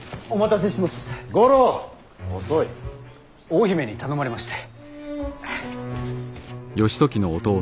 大姫に頼まれまして。